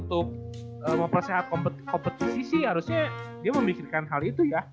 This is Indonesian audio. untuk ya kalo misalnya emang tujuan untuk mempersehat kompetisi sih harusnya dia memikirkan hal itu ya